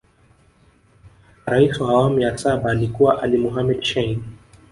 Rais wa awamu ya saba alikuwa Ali Mohamed Shein